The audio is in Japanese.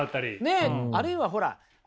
あるいはほら